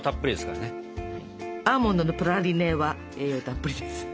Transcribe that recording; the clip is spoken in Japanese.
アーモンドのプラリネは栄養たっぷりです。